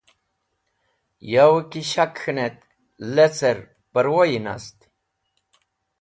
Yawẽ ki shak k̃hẽnet lecẽr pẽrwoyi nast